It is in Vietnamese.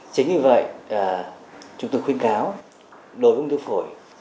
chính vì vậy chúng tôi khuyên cáo đối với ung thư phổi